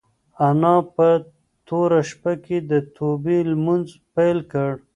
انا په توره شپه کې د توبې لمونځ پیل کړ.